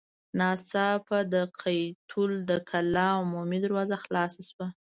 ناڅاپه د قيتول د کلا عمومي دروازه خلاصه شوه.